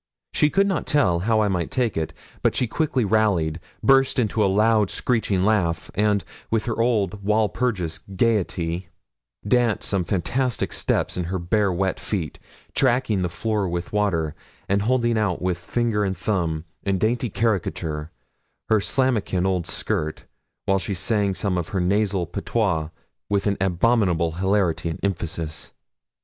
She could not tell how I might take it; but she quickly rallied, burst into a loud screeching laugh, and, with her old Walpurgis gaiety, danced some fantastic steps in her bare wet feet, tracking the floor with water, and holding out with finger and thumb, in dainty caricature, her slammakin old skirt, while she sang some of her nasal patois with an abominable hilarity and emphasis.